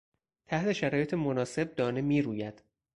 تحت شرایط مناسب دانه میروید.